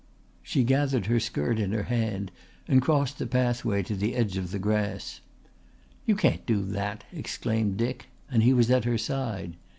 She gathered her skirt in her hand and crossed the pathway to the edge of the grass. "You can't do that," exclaimed Dick and he was at her side.